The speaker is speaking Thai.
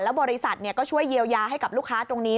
บริษัทก็ช่วยเยียวยาให้กับลูกค้าตรงนี้